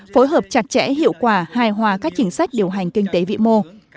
phối hợp chặt chẽ hiệu quả hài hòa các chính sách điều hành kinh tế vĩ mô